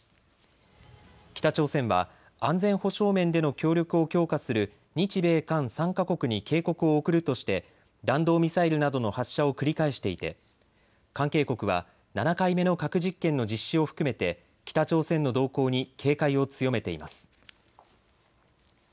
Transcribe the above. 北朝鮮は安全保障面での協力を強化する日米韓３か国に警告を送るとして弾道ミサイルなどの発射を繰り返していて関係国は７回目の核実験の実施を含めて北朝鮮の動向に警戒を強めています。